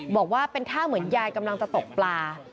บอกว่าเป็นท่าเหมือนยายกำลังจะตกปลา